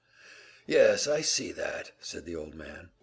"Yes, I see that," said the old man.